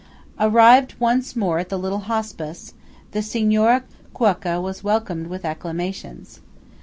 Arrived once more at the little Hospice, the "Signora Cuoca" was welcomed with acclamations.